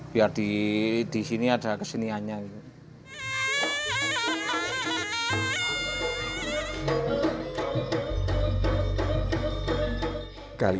biar di sini ada keseniannya gitu